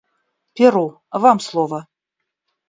Перу, вам слово.